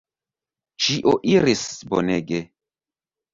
Ĉio iris bonege.